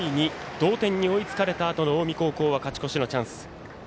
同点に追いつかれたあとの近江高校は勝ち越しのチャンス。